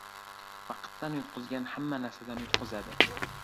• Vaqtdan yutqizgan hamma narsadan yutqizadi.